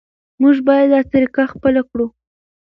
موږ باید دا طریقه خپله کړو.